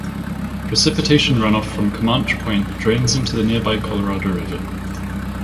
Precipitation runoff from Comanche Point drains into the nearby Colorado River.